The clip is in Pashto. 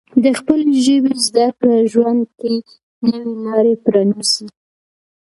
د خپلې ژبې زده کړه ژوند کې نوې لارې پرانیزي.